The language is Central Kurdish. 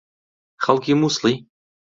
خەڵکی مووسڵی؟